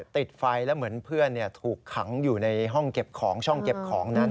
ติดไฟแล้วเหมือนเพื่อนถูกขังอยู่ในห้องเก็บของช่องเก็บของนั้น